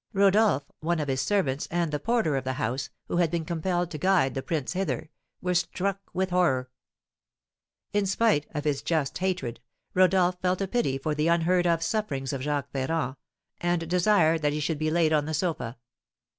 Rodolph, one of his servants, and the porter of the house, who had been compelled to guide the prince hither, were struck with horror. In spite of his just hatred, Rodolph felt a pity for the unheard of sufferings of Jacques Ferrand, and desired that he should be laid on the sofa.